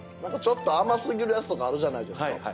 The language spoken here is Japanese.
ちょっと甘過ぎるやつとかあるじゃないですか。